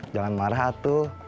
jangan marah tuh